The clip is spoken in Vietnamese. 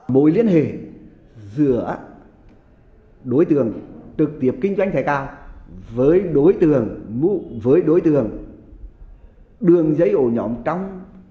mối liên hệ giữa đối tượng trực tiếp kinh doanh thẻ cào với đối tượng mụ với đối tượng đường giấy ổ nhóm trong